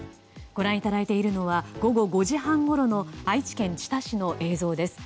ご覧いただいているのは午後５時半ごろの愛知県知多市の映像です。